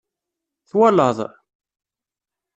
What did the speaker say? Twalaḍ?